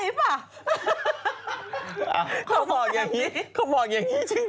โอลี่คัมรี่ยากที่ใครจะตามทันโอลี่คัมรี่ยากที่ใครจะตามทันโอลี่คัมรี่ยากที่ใครจะตามทัน